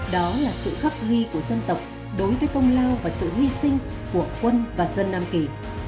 đó là sự khắc ghi của dân tộc đối với công lao và sự hy sinh của quân và dân nam kỳ